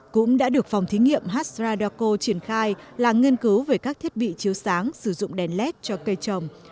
cũng đã được phòng thí nghiệm hasradoco triển khai là nghiên cứu về các thiết bị chiếu sáng sử dụng đèn led cho cây trồng